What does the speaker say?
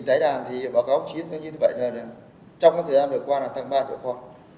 thì tái đàn thì báo cáo của đồng chí nói như thế bây giờ trong cái thời gian vừa qua là tăng ba triệu kho